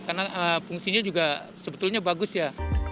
karena fungsinya juga sebetulnya bagus ya